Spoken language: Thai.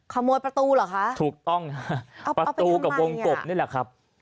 ขโมยประตูเหรอคะถูกต้องฮะประตูกับวงกบนี่แหละครับ